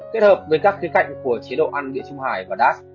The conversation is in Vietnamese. kết hợp với các khía cạnh của chế độ ăn địa chung hải và dast